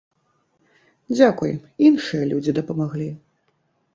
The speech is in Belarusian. Дзякуй, іншыя людзі дапамагалі!